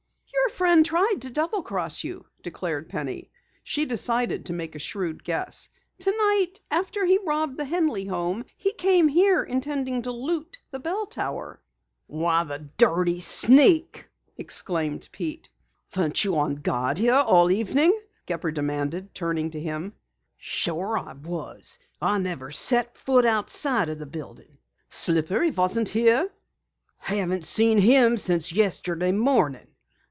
"Your friend tried to double cross you," declared Penny. She decided to make a shrewd guess. "Tonight, after he robbed the Henley home he came here intending to loot the bell tower." "Why, the dirty sneak!" exclaimed Pete. "Weren't you here on guard all evening?" Gepper demanded, turning to him. "Sure, I was. I never set foot outside the building." "Slippery wasn't here?" "Haven't seen him since yesterday morning."